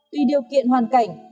tùy điều kiện hoàn cảnh